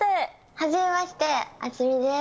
はじめまして、アスミです。